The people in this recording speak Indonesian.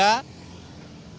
masyarakat dari bukit tenggara